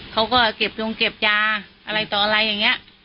เขาก็เก็บจงเก็บยาอะไรต่ออะไรอย่างนี้